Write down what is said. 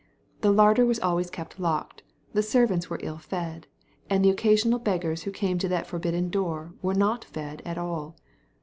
The larder was always kept locked, the servants were ill fed, and the occasional beggars who came to that forbidden door were not fed at all.